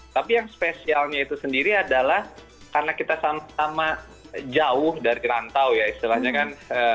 tapi yang spesialnya itu sendiri adalah karena kita sama sama jauh dari rantau ya istilahnya kan